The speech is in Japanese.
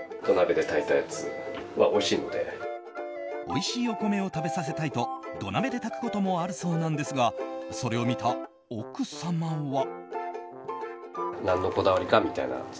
おいしいお米を食べさせたいと土鍋で炊くこともあるそうなんですがそれを見た奥様は。